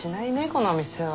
この店は。